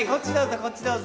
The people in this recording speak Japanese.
こっちどうぞ！